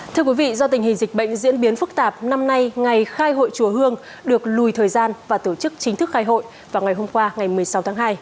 thưa quý vị do tình hình dịch bệnh diễn biến phức tạp năm nay ngày khai hội chùa hương được lùi thời gian và tổ chức chính thức khai hội vào ngày hôm qua ngày một mươi sáu tháng hai